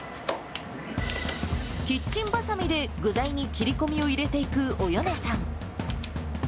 キッチンばさみで具材に切り込みを入れていくおよねさん。